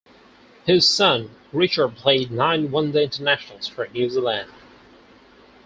His son Richard played nine one-day internationals for New Zealand.